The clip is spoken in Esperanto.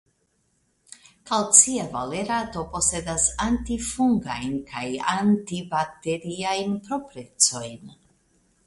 Kalcia valerato posedas antifungajn kaj antibakteriajn proprecojn.